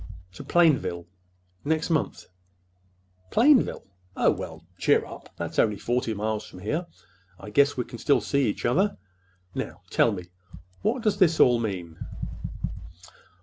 "To Plainville—next month." "Plainville? Oh, well, cheer up! That's only forty miles from here. I guess we can still see each other. Now, tell me, what does all this mean?"